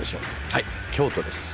はい京都です。